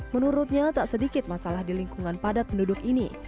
menurutnya tak sedikit masalah di lingkungan padat penduduk ini